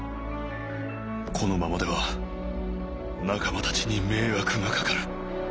「このままでは仲間たちに迷惑がかかる」。